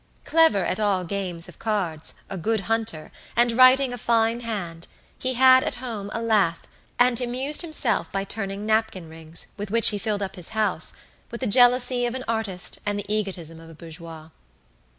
Clever at all games of cards, a good hunter, and writing a fine hand, he had at home a lathe, and amused himself by turning napkin rings, with which he filled up his house, with the jealousy of an artist and the egotism of a bourgeois.